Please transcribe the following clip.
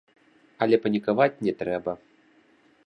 Але панікаваць не трэба.